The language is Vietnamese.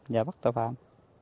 nhà bác cho phạm